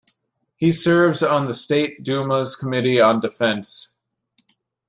He serves on the State Duma's Committee on Defense.